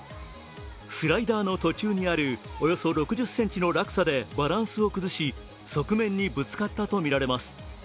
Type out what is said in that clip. スライダーの途中にあるおよそ６０ｃｍの落差でバランスを崩し、側面にぶつかったとみられています。